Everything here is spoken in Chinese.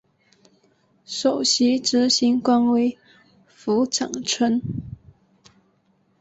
首席执行官为符展成。